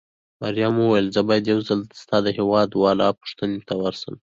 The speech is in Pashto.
مريم وویل: زه باید یو ځل ستا د هېواد والاو پوښتنې ته ورشم.